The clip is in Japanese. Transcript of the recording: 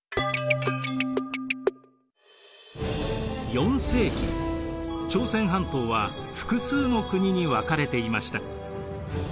４世紀朝鮮半島は複数の国に分かれていました。